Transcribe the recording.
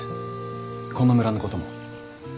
この村のことも。